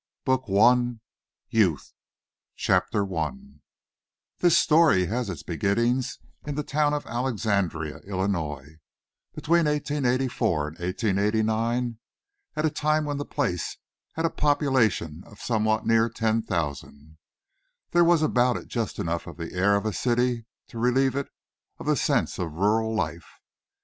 BOOK I YOUTH THE "GENIUS" CHAPTER I This story has its beginnings in the town of Alexandria, Illinois, between 1884 and 1889, at the time when the place had a population of somewhere near ten thousand. There was about it just enough of the air of a city to relieve it of the sense of rural life.